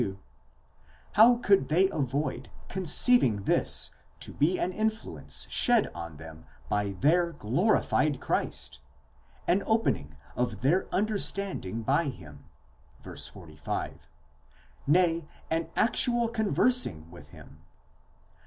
32),—how could they avoid conceiving this to be an influence shed on them by their glorified Christ, an opening of their understanding by him (v. 45), nay, an actual conversing with him?